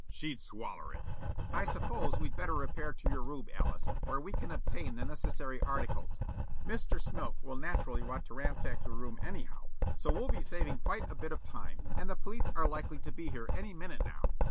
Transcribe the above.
"She'd swaller it." "I suppose we'd better repair to your room, Alice, where we can obtain the necessary articles. Mr. Smilk will naturally want to ransack your room anyhow, so we 'll be saving quite a bit of time. And the police are likely to be here any minute now."